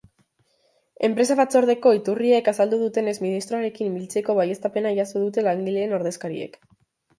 Enpresa-batzordeko iturriek azaldu dutenez, ministroarekin biltzeko baieztapena jaso dute langileen ordezkariek.